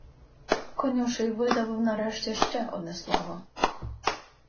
Конюший видавив нарешті ще одне слово: